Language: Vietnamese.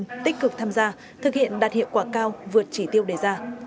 đoàn viên thanh niên tích cực tham gia thực hiện đạt hiệu quả cao vượt chỉ tiêu đề ra